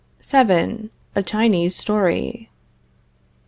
VII. A CHINESE STORY.